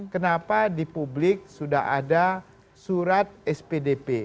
kenapa di publik sudah ada surat spdp